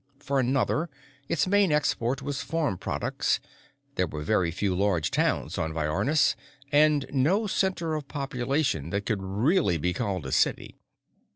For another, its main export was farm products: there were very few large towns on Viornis, and no center of population that could really be called a city.